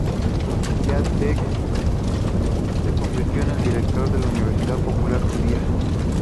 Gad Beck se convirtió en director de la Universidad popular judía.